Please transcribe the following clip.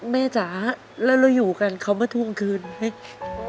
แม่จ๋าแล้วเราอยู่กันเขาเมื่อทุ่งคืนไหม